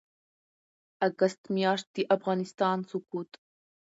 اګسټ میاشتې د افغانستان سقوط